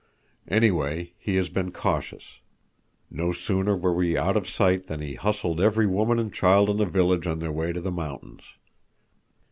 Anyway, he has been cautious. No sooner were we out of sight than he hustled every woman and child in the village on their way to the mountains.